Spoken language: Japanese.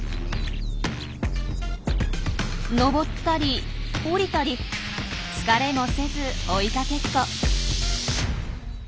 上ったり下りたり疲れもせず追いかけっこ。